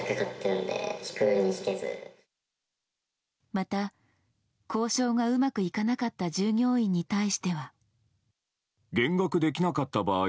また、交渉がうまくいかなかった従業員に対しては。